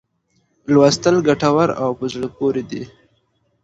لوستل ګټور او په زړه پوري دي.